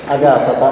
ada apa pak